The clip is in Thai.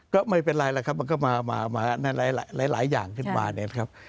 ก็ไม่เป็นไรแหละครับมันก็มาในหลายอย่างขึ้นมาเนี่ยนะครับ